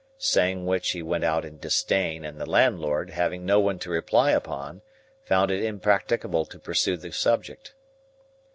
Saying which he went out in disdain; and the landlord, having no one to reply upon, found it impracticable to pursue the subject.